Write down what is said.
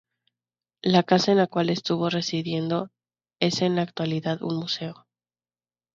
La casa en la cual estuvo residiendo es en la actualidad un museo.